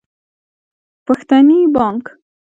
پښتني بانګ